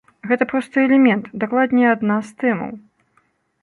Гэта проста элемент, дакладней адна з тэмаў.